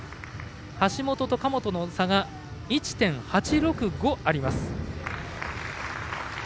橋本と神本の差が１．８６５あります。